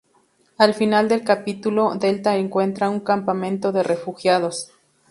Al final del capítulo, delta encuentra un campamento de refugiados.